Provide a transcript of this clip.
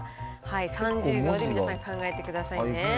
３０秒で皆さん、考えてくださいね。